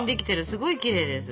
すごいきれいです。